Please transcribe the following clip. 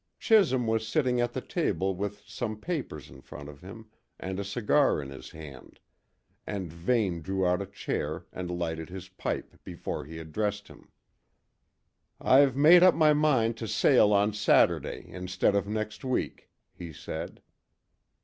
Chisholm was sitting at the table with some papers in front of him and a cigar in his hand, and Vane drew out a chair and lighted his pipe before he addressed him. "I've made up my mind to sail on Saturday, instead of next week," he said.